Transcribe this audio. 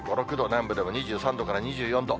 南部でも２３度から２４度。